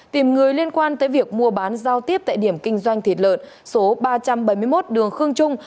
tìm người liên quan tới việc mua bán giao tiếp tại điểm kinh doanh thịt lợn số ba trăm bảy mươi một đường khương trung